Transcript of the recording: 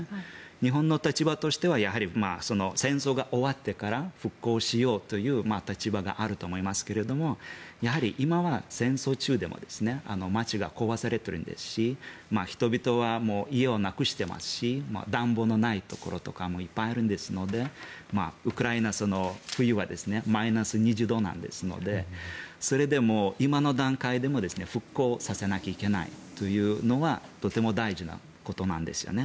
日本の立場としては戦争が終わってから復興しようという立場があると思いますけれども今は戦争中でも街が壊れていますし人々は家をなくしてますし暖房のないところとかもいっぱいありますのでウクライナ、冬はマイナス２０度なのでそれでも今の段階でも復興させなきゃいけないというのはとても大事なことなんですよね。